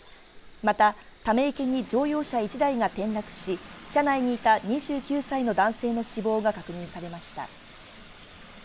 また、ため池に乗用車１台が転落し、車内にいた２９歳の男性の死亡が確認されました。